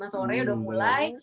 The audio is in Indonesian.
lima sore udah mulai